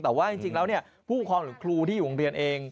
แต่ว่าจริงแล้วผู้ปกครองหรือครูที่อยู่โรงเรียนเอง